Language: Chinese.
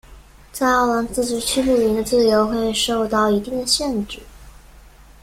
在奥兰自治区露营的自由会受到一定的限制。